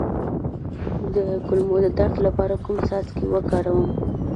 د کولمو د درد لپاره کوم څاڅکي وکاروم؟